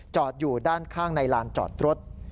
อยู่ด้านข้างในลานจอดรถ